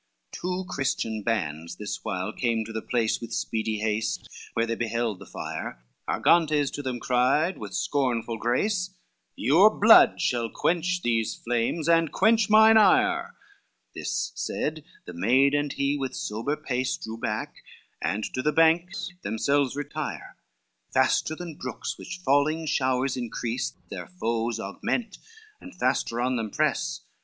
XLVII Two Christian bands this while came to the place With speedy haste, where they beheld the fire, Argantes to them cried with scornful grace, "Your blood shall quench these flames, and quench mine ire:" This said, the maid and he with sober pace Drew back, and to the banks themselves retire, Faster than brooks which falling showers increase Their foes augment, and faster on them press.